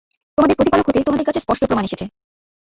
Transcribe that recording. তোমাদের প্রতিপালক হতে তোমাদের কাছে স্পষ্ট প্রমাণ এসেছে।